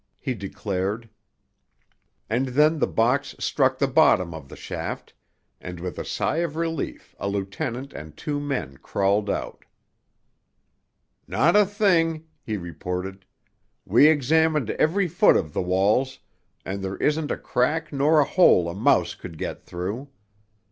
he declared. And then the box struck the bottom of the shaft, and with a sigh of relief a lieutenant and two men crawled out. "Not a thing!" he reported. "We examined every foot of the walls, and there isn't a crack nor a hole a mouse could get through.